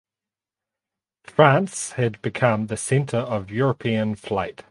France had become the centre of European flight.